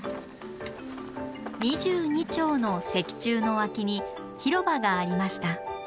二十二町の石柱の脇に広場がありました。